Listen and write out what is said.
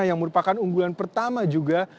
yang merupakan unggulan pertama juga